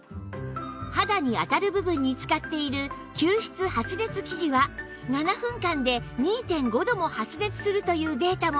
肌に当たる部分に使っている吸湿発熱生地は７分間で ２．５ 度も発熱するというデータもあるんです